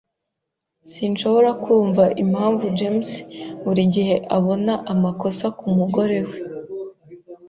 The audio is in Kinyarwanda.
Sinshobora kumva impamvu James buri gihe abona amakosa kumugore we.